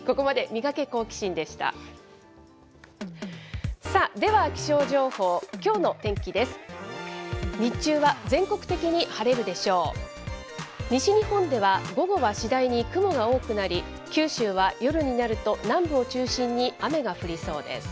西日本では午後は次第に雲が多くなり、九州は夜になると南部を中心に雨が降りそうです。